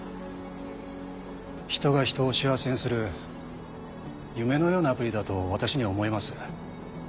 人が人を幸せにする夢のようなアプリだと私には思えます。